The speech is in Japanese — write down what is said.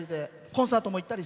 コンサート